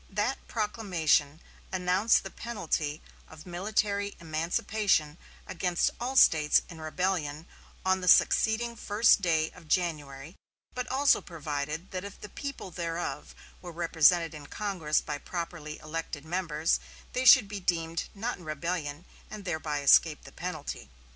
That proclamation announced the penalty of military emancipation against all States in rebellion on the succeeding first day of January; but also provided that if the people thereof were represented in Congress by properly elected members, they should be deemed not in rebellion, and thereby escape the penalty.